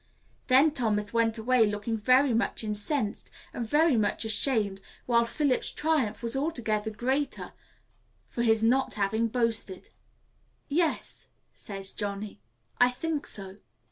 Then Thomas went away looking very much incensed and very much ashamed, while Philip's triumph was altogether greater for his not having boasted." "Yes," says Johnny, "I think so."